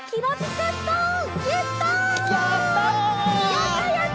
やったやった！